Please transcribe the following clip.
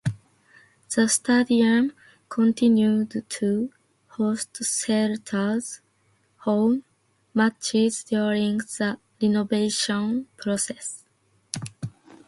The stadium continued to host Celta's home matches during the renovation process.